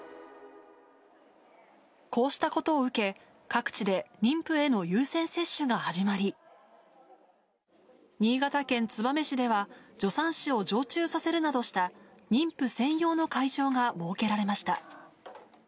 こうしたことを受け、各地で妊婦への優先接種が始まり、新潟県燕市では、助産師を常駐させるなどした妊婦専用の会場が設けられました。